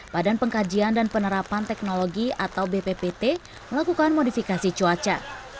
badan pengkajian dan penerapan teknologi atau bppt melakukan modifikasi cuaca